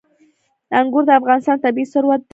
انګور د افغانستان طبعي ثروت دی.